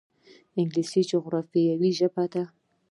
انګلیسي د جغرافیې ژبه ده